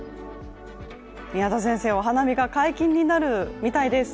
宮田先生、お花見が解禁になるみたいです。